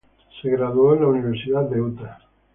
Se graduó en la Universidad de Utah.